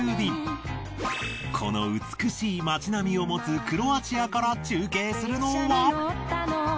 この美しい街並みを持つクロアチアから中継するのは。